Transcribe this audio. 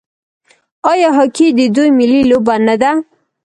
آیا هاکي د دوی ملي لوبه نه ده؟